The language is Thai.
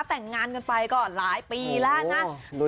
แต่งงานกันไปก็หลายปีแล้วนะ